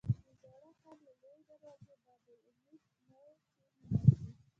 د زاړه ښار له لویې دروازې باب العمود نه چې ننوځې.